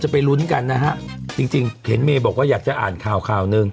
ไปลุ้นกันนะฮะจริงจริงเห็นเมย์บอกว่าอยากจะอ่านข่าวข่าวหนึ่ง